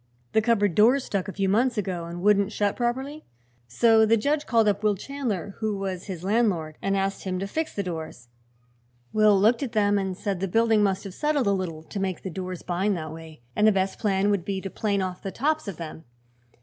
"The cupboard doors stuck, a few months ago, and wouldn't shut properly. So the judge called up Will Chandler, who was his landlord, and asked him to fix the doors. Will looked at them and said the building must have settled a little, to make the doors bind that way, and the best plan would be to plane off the tops of them.